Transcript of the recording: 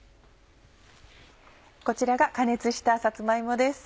こちらが加熱したさつま芋です。